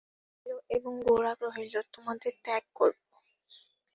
বিনয় কহিল, এবং– গোরা কহিল, এবং তোমাদের ত্যাগ করব।